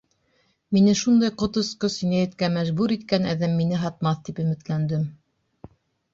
Мине шундай ҡот осҡос енәйәткә мәжбүр иткән әҙәм мине һатмаҫ тип өмөтләндем.